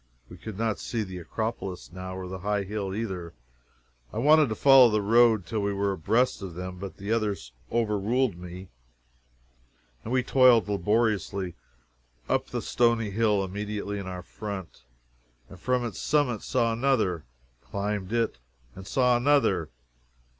We could not see the Acropolis now or the high hill, either, and I wanted to follow the road till we were abreast of them, but the others overruled me, and we toiled laboriously up the stony hill immediately in our front and from its summit saw another climbed it and saw another!